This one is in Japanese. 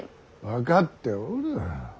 分かっておる。